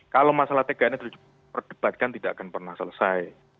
kalau masalah tkd ini terdebatkan tidak akan pernah selesai